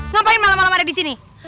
ngapain malem malem ada di sini